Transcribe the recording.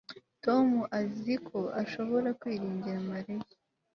Tom azi ko ashobora kwiringira Mariya